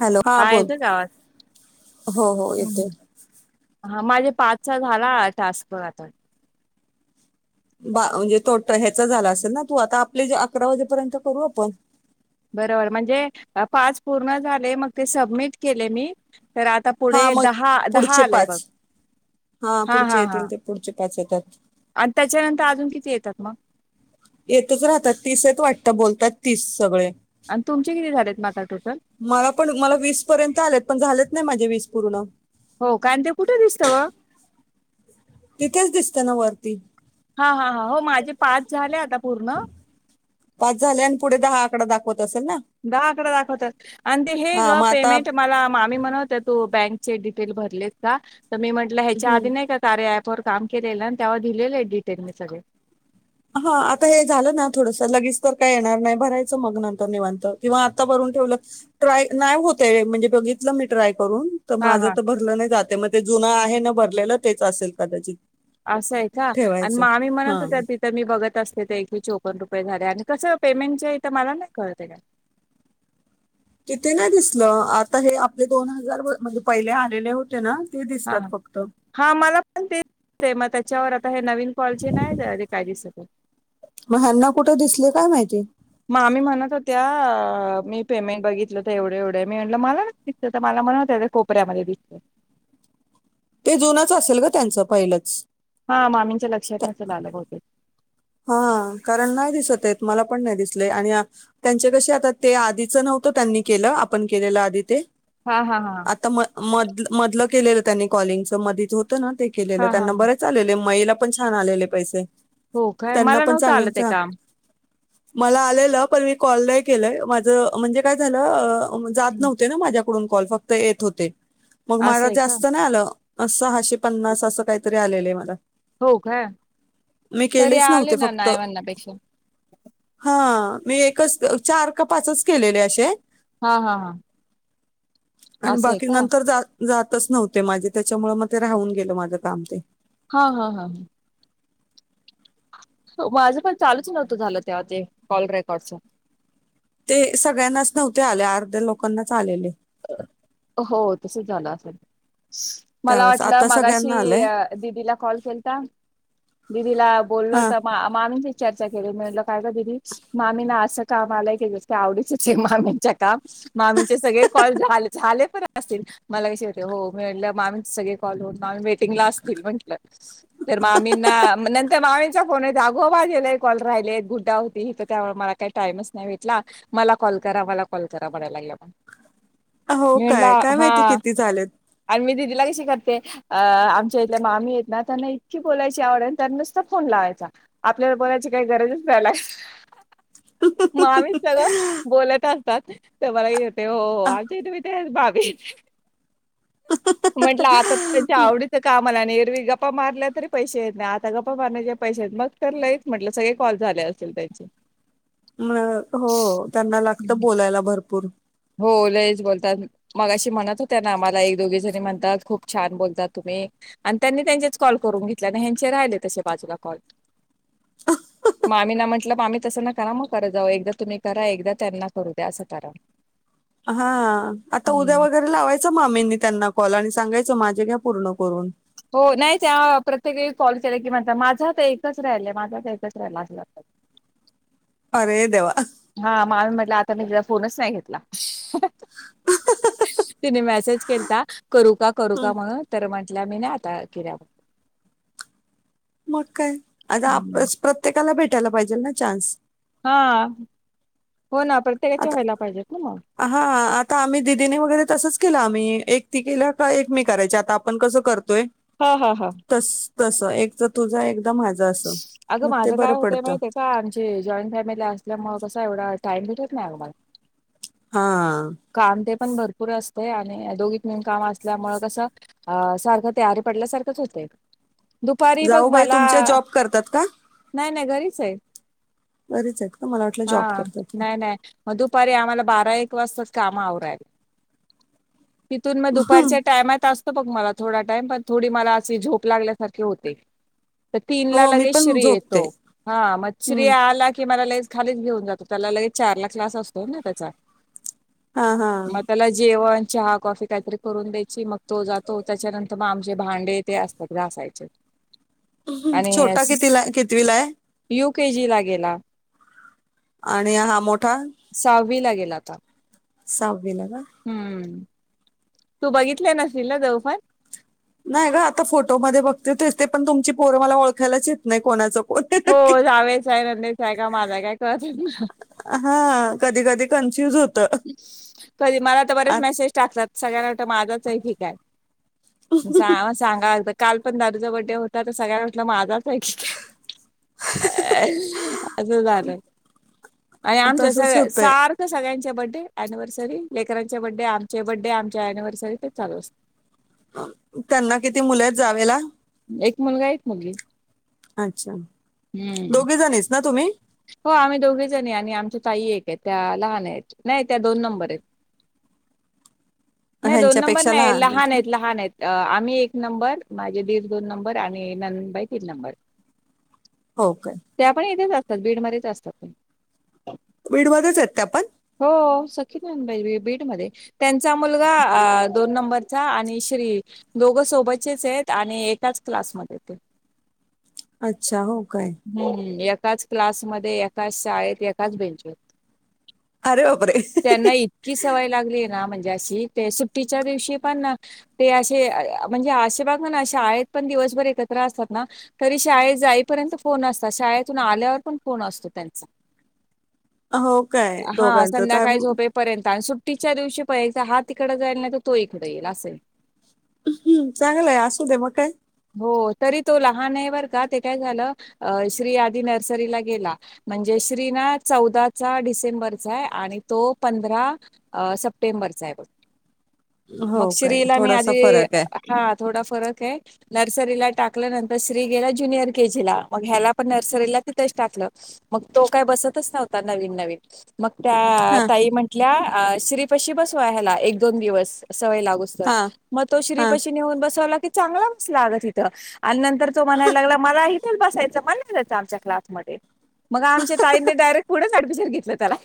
Hello हा, बोल येतोय का आवाज? हो हो येतोय हा, माझे पाचचा झाला टास्क बघ आता. बा म्हणजे तोट ह्याचा झाला असेल ना, तू आता आपले जे अकरा वाजेपर्यंत करू आपण. बरोबर, म्हणजे पाच पूर्ण झाले, मग ते सबमिट केले मी, तर आता हा पुढे, मग दहा, दहा पुढचे आलाय पाच बघ, हा पुढचे हां येतील हां. ते पुढचे पाच होतात. आणि त्याच्यानंतर अजून किती येतात मग? येतच राहतात, तीसेत वाटत, बोलतात तीस सगळे. आणि तुमचे किती झालेत, मग आता टोटल? मला पण मला वीस पर्यंत आलेत, पण झालेत नाही माझे वीस पूर्ण. हो, काण ते कुठे दिसतं ग? तिथेच दिसतं ना वरती. हा हा हा, हो. माझे पाच झाले आता पूर्ण. पाच झाले, आणि पुढे दहा आकडा दाखवत असेल ना? दहा आकड दाखवतात, आणि ते हे हा ग, मग आता पेमेंट मला मामी म्हणत होत्या हो, बँक चे डिटेल भरले का? म मी म्हटल, ह्याच्या हम्म आधी नाही का कार्य ॲपवर काम केलेलं आहे, आणि त्यावर दिलेले मी डिटेल सगळे. हा, आता हे झालं ना थोडंसं, लगेच तर काय येणार नाही, भरायचं मग नंतर निवांत, किंवा आता भरून ठेवलं ट्राय, नाही होतय, म्हणजे बघितलं मी ट्राय करून. त हा माझं हा त भरलं नाही जाते, म ते जुन आहे ना भरलेलं तेच असेल कदाचित असं आहे का? आणि ठेवायचं मामी म्हणत हा होत्या तिथ तर मी बघत असते तर एकशे चोपन रुपये झाले, आणि कसं पेमेंटचे, तर मला नाही कळते? तिथे ना दिसलं, आता हे आपले दोन हजार व म्हणजे पहिले आलेले होते ना ते हा हा दिसतात फक्त. हा मला पण ते मग [unintelligible] त्याच्यावर आता हे नवीन कॉलचे नाही जे काय दिेसते. मग ह्यांना कुठे दिसले काय माहिती? मामी म्हणत होत्या, मी पेमेंट बघितलं तर, एवढे एवढे मी म्हटलं मला तर मला म्हण होत कोपऱ्यामध्ये दिसत ते जुनच असेल ग, त्यांचं पहिलंच. हा, मामींच्या लक्षात नसेल आलं बहुत त बहुतेक हा, कारण नाही दिसत येत, मला पण नाही दिसले, आणि त्यांचे कसे, आता ते आधीच नव्हतं त्यांनी केलं, आपण केलेलं आधी ते हा हा हा. त म मद मधलं केलेलं त्यांनी कॉलिंगच, मधीच होतं ना ते, केलेलं हा हा त्यांनां हा बरे चालेले, मयेला पण छान आलेले पैसे. हो काय? त्यांना मला पण नव्हतं आलं चांगलंच ते काम. मला आलेलं, पण मी कॉल नाही केलंय, माझ म्हणजे काय झालं अं अ जात हं. नव्हते ना माझ्याकडून कॉल, फक्त येत होते, मग माझ असं आहे का? जास्त नाही आलं सहाशे पन्नास असं काहीतरी आलेले मला. हो काय? मी तरी केलेच नव्हते आले ना फक्त नाय म्हण्यापेक्षा. हा, मी एकच, चार काय पाचच केलेले अशे हा हा हा. पण असं आहे बाकी का? नंतर जात जातच नव्हते माझे त्याच्यामुळे मग ते राहून गेलं माझं काम ते. हा हा हा. माझं पण चालूच नव्हतं झालं तेव्हा ते कॉल रेकॉर्डच. ते सगळ्यांनाच नव्हते आले अर्ध्या लोकांनाच आलेले. हो तसच झालं असेल मला त्यावेळेस वाटलं आता सगळ्यांना मागाशी आलंय दिदीला कॉल केलता दिदीला बोललो हा [unintelligible] चर्चा केली म्हणलं काय गं दिदी मामी ना असं काम आलंय की नुसतं आवडीचंचाय मामींच्या काम मामीचे सगळे कॉल झाल झाले पण असतील. मला कशी [unintelligible] मामी वेटिंग ला असतील म्हटलं. तर मामींना नंतर मामींचा फोन येतो आगो माझे लय कॉल राहिले गुड्डा होती इथं त्यावेळ मला टाइमच नाही भेटला मला कॉल करा मला कॉल करा म्हणाय लागल्या म. हो मी म्हणला काय काय हा माहिती किती झालेत आणि मी दिदीला कशी करते. अ आमच्या इथल्या मामी आहेत ना त्यांना इतकी बोलायची आवड आणि त्यांना नुसता फोन लावायचा. आपल्याला बोलायची काही गरजच नाही लागत. मामी सगळं बोलत असतात ते मला येतंय. [unintelligible] म्हंटलं आता त्यांच्या आवडीच काम आला आणि एरवी गप्पा मारल्या तरी पैसे येत नाही आता गप्पा मारण्याचे पैसे येत मग तर लय च म्हटलं सगळे कॉल झाले असेल त्यांचे. म हो त्यांना लागत बोलायला भरपूर. हो लयच बोलतात. मगाशी म्हणत होत्या ना मला एक दोघी जणी म्हणतात खूप छान बोलता तुम्ही. आणि त्यांनी त्यांचेच कॉल करून घेतले आणि ह्यांचे राहिले तसे बाजूला कॉल. मामी ना म्हटलं मामी तसं ना करा मग करत जाऊ एकदा तुम्ही करा एकदा त्यांना करू द्या असं करा. हा आता उद्या हम्म. वळ खरं लावायच मामींनी त्यांना कॉल आणि सांगायचं माझे घ्या पूर्ण करून. हो नाही त्या प्रत्येक वेळी कॉल केले की म्हणता माझा तर एकच राहिलय माझ तर एकच राहिला असं म्हणता. अरे देवा अहं. हा मानून म्हटलं आता मी तिचा फोनच नाही घेतला. तिने मेसेज केलता करू का करू का म्हणून. तर म्हंटल्या मी नाही आता किरयावर. मग काय आता हम्म. आपणच प्रत्येकाला भेटायला पाहिजेलच ना चान्स. हा हो ना प्रत्येकाच्या आता व्हायला पाहिजेत ना म. हा आता आम्ही दिदीने वगैरे तसंच केलं आम्ही एक ती केल्या का एक मी करायची आता. पण कसं करतोय. हा हा हा. तस तस एकदा तुझं एकदा माझं असं मग ते बरं पडतं. हा आमची जॉईंट फॅमिली असल्यामुळे कसा एवढा टाइम भेटत नाही आमाला. हा. काम ते पण भरपूर असतय आणि दोघीत मिळून नवीन काम असल्यामुळ कसं. अ सारखं ते अरे पडल्यासारखंच होतंय. दुपारी बघ जाऊबाई मला तुमच्या जॉब करतात का नाही नाही घरीच आहे. घरीच आहेत का मला वाटलं जॉब हा करतात काय. नाही नाही मग दुपारी आम्हाला बारा एक वाजतात काम आवरायला. तिथून मग दुपारच्या टाइमात असत. बघ मला थोडा टाइम पण थोडी मला अशी झोप लागल्यासारखी होते. तर तीन ला हो मी लगेच पण श्री झोपते येतो हा मग श्री हम्म. आला की मला लईच. खालीच घेऊन जातो त्याला लगेच चारला क्लास असतोय ना त्याचा हा हा मग त्याला जेवण, चहा, कॉफी काहीतरी करून द्यायची मग तो जातो त्याच्यानंतर मग आमचे भांडे. ते असतात घासायचेच. हम्म. आणि छोटा कितीला कितवीला आहे [inaudible] युकेजी ला गेला. आणि हा मोठा सहावीला गेला आता. साहावीला का? हम्म तू बघितले नशील ना देवपण नाही ग आता फोटोमध्ये बघते तेच ते पण तुमची पोरं मला ओळखायलाच येत नाही कोणाचं कोण आहे नक्की हो जावेच आहे नंदेचा आहे का माझाय काय कळतच नाय. हा कधी कधी कन्फ्युज होत. कधी मला तर बरेच मेसेज टाकतात सगळ्यांना वाटत माझाच आहे कि काय. जा सांगाय आलता काल पण दादूचा बड्डे होता तर सगळ्यांना वाटल माझाच आहे की काय? अ असं झालं आणि आमच्या तसंच सगळ्या होतंय सारं सगळ्यांच्या बड्डे अनिवर्सरी लेकरांचे बड्डे आमचे बड्डे आमच्या अनिवर्सरी तेच चालू असतं. त्यांना किती मुले आहेत जावेला. एक मुलगा एक मुलगी अच्छा हम्म दोघी जणीच ना तुम्ही हो आम्ही दोघी जणी आणि आमच्या ताई एक आहेत त्या लहान आहेत नाही त्या दोन नंबर आहेत. नाही दोन नंबर नाही लहान आहेत लहान आहेत. आम्ही एक नंबर माझे दीर दोन नंबर आणि ननंदबाई तीन नंबर हो काय‌? त्या पण इथेच असतात बीडमध्येच असतात. बीडमध्येच आहेत त्यापण हो सख्खी बहिण‌ [inaudible] बीडमध्ये त्यांचा मुलगा अ दोन नंबरचा आणि श्री दोघ सोबतचेच आहेत आणि एकाच क्लासमध्ये आहेत ते अच्छा हो काय? हम्म एकाच क्लासमध्ये एकाच शाळेत एकाच बेंचवर अरे बापरे त्यांना इकी सवय लागली ना म्हणजे अशी ते सुट्टीच्या दिवशी पण ते असे म्हणजे आशे बघ ना अे आ आहेतेत पण दिवसभर एकत्र असतात ना. तरी शाळेत जाईपर्यंत फोन असतात शाळेतून आल्यावर पण फोन असतो त्यांचा हो काय हा दोघांचं चा- संध्याकाळी झोपे हम्म, पर्यंत आणि सुट्टीच्या दिवशी पर्यंत हा तिकडं जाईल नाही तर तो इकडे येईल असंय. हम् चांगलंय असू दे मग काय? हो तरी तो लहान आहे बरं का ते काय झालं अ श्री आदी नर्सरीला गेला. म्हणजे श्रीना चौदाचा डिसेंबरचा आहे आणि तो ना पंधरा अ सप्टेंबरचा आहे बघ मग हो काय श्रीला मी थोडासा आधी फरक आहे हा थोडा फरक आहे. नर्सरीला टाकलं नंतर श्री गेला ज्युनियर केजीला मग ह्याला पण नर्सरीला टाकलं मग तो काही बसतच नव्हता नवीन नवीन मग त्या हा ताई म्ह श्री पशी बसवा ह्याला एक दोन दिवस सवय लागू हा मग तो हा श्रीपाशी नेऊन बसवला क चांगला बसलागत इिथं आणि नंतर तो म्हणायला लागला मला इथेच बसायचं म्हणच आमच्या क्लास मग आमच्या ताईने डायरेक्ट पुणच अडमिशन घेतलं त्याला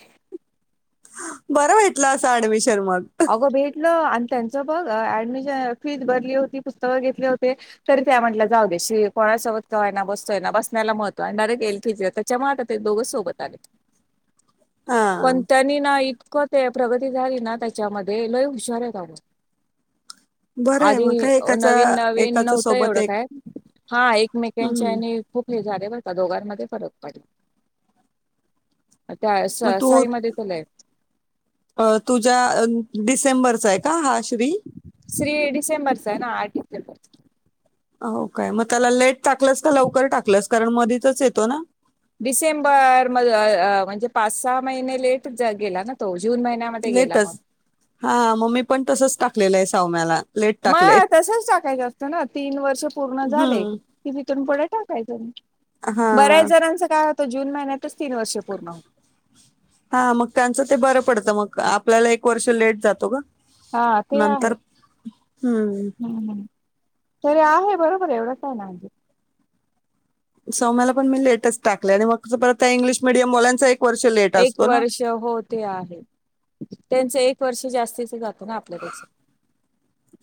बरं भेटलं असं ऍडमिशन मग अगं भेटलं आणि त्यांचं बघ ऍडमिशन फीस भरली होती पुस्तकं घेतली होते तरी त्या म्हटलं जाऊ दे्याशी कोणाचं बघतंय ना बसतोय ना बसण्याला महत्व डयरेक्ट येईल तिे चमाट ते दोघं सोबत आले हा पण त्यांनी ना इतकं ते प्रगती झाली ना त्याच्यामध्ये लय हुशार आहे त्याम बरं आहे आधी मग काय एकाचा नवीन नवीन एकाच्या नव्हतं सोबत एवढं एक काय हा एकमेकांच्या हम्म आणि खूप हे झाले ब दोघांमध्ये फरक पडेल त्या मग तू साईमध्ये चलाय अ तुझ्या डिसेंबरचा आहे का हा श्री श्री डिसेंबर स ना आर्टसेबर हो काय मग त्याला लेट टाकलंस तर लवकर टाकलंस कारण मधीतच येतो ना डिसेंबर म म्हणजे पाच सहा महिने लेट गेला ना तो जून महिन्या लेटच हा मम्मी पण तसच टाकलेलं आहे सावम्याला म तसच टाकायचं असतं ना तीन वर्ष पूर्ण झाले हम्म ती भथून पुढे टाकायच हा बऱ्याच जणांच काय जून महिन्याच तीन वर्ष पूर्ण हा मग त्यांचं ते बरं पडतं मग आपल्याला एक वर्ष लेट जातो ग हा ते आहे हम्म हम्म तर आहे बरोबर आहे एवढंच आहे ना म्हजे स मला पण मी लेटेस् टाकय आणि मग परत त्या इंग्लिश मिीडयमलांचा एक वर्ष लेट एक असतो ना वर्ष हो ते आहे त्यांचं एक वर्ष जास्तीच जात ना आपल्यापेक्षा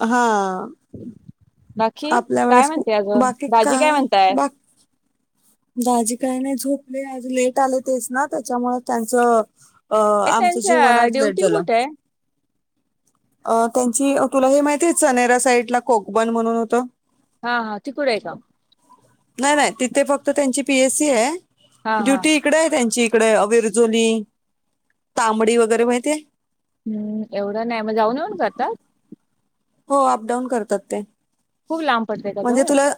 हा बाकी आपल्या काय वेळेसू म्हणते अजून बाकी भाजी काय म्हणताय बाकी दाजी काही नाही झोपले आज लेट आले तेच ना त्याच्यामु त्यांचं अ ए आमचं जीवन त्यांच्या आज लेट ड्युटी झालं कुठे आहे अ त्यांची तुला हे माहिती आहे चनेरा साईड ला कोॉकबन म्हणून होतं हा हा तिकड आहे का नाही नाही तिथे फक्त त्यांची पीएससी आहे हा हा ड्युटी इडे आहे त्यांची इकडे अ विरजोली तांबडी वगैरे माहिितय हम्म एवढं नाही मग जाऊन येऊन करतात हो अपडाऊन करतात ते खूप लांब पडतय का म्हणजे जवळ? तुला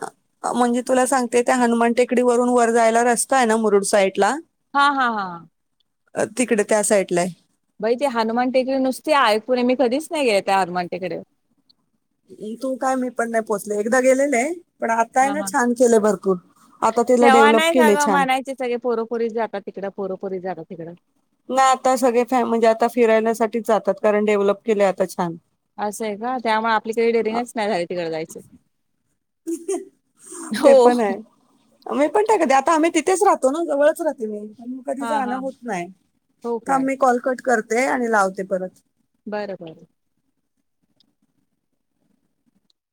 म्हणजे तुला सांगते त्या हनुमान टेकडीवररून वर जायला रस्ता आहे ना मुरुड साईडला हा हा हा तिकडे त्या साईडला बाई ते हनुमान टेकडे नुसते आहे पुढे मी कधीच नाही गे त्या हनुमान टेकडे तू काय मी पण नाही पोहोचले एकदा गेलेले आहे पण आता आहे हा ना हा छान केलं भरपूर आता त्याला तेव्हा डेव्हलप नाही का केलेय ग छान म्हणायचे सगळे पोरोपुरी जागा तिकडं पोरोपुरी जागा तिकडं ना आता सगळे फॅ म्हणजे आता फिरायलासाठीच जातात कारण डेव्हलप केलं आता छान असं आहे का त्यामुळे आपली काही अ, डेअरिंगच नाही झाली तिकडे जायच ते हो पण आहे. मी पण त्या कध आता आम्ही तिथेच राहतो ना जवळच राहते मी. कधी हा जाणं हा होत नाही हो थांब काय मी कॉलकट करते आणि लावते परत. बर बर.